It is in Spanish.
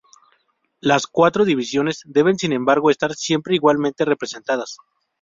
Las cuatro divisiones deben sin embargo estar siempre igualmente representadas.